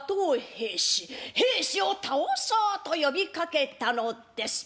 平氏平氏を倒そうと呼びかけたのです。